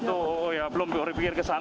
tapi tadi dipanggil